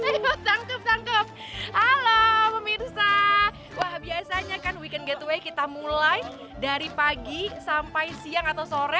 ayo tangkup tangkup halo pemirsa wah biasanya kan weekend getaway kita mulai dari pagi sampai siang atau sore